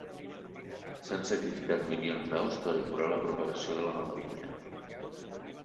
S'han sacrificat milions d'aus per aturar la propagació de la malaltia.